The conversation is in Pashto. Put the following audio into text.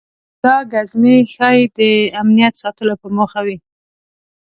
دا ګزمې ښایي د امنیت ساتلو په موخه وي.